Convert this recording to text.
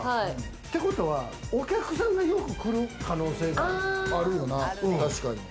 てことはお客さんがよく来る可能性があるよな。